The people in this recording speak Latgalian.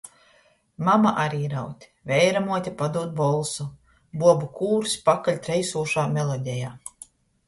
Mama ari raud, veiramuote padūd bolsu, buobu kūrs pakaļ treisūšā melodejā.